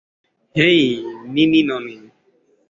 হেই, নিনি ননি!